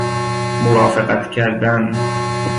مرافقت کردن